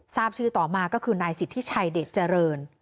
ซาบชื่อต่อมาก็คือนายศิษย์ทิชชัยเดชเจริญ